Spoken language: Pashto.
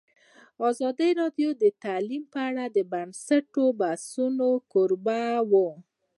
ازادي راډیو د تعلیم په اړه د پرانیستو بحثونو کوربه وه.